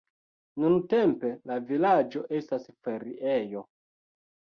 Nuntempe la vilaĝo estas feriejo.